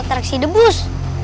pasal atraksi the bus